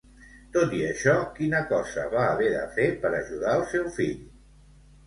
Tot i això, quina cosa va haver de fer per ajudar el seu fill?